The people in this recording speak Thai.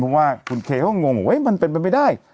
เพราะว่าคุณเคก็งงว่ามันเป็นมันไม่ได้